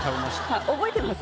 覚えてます？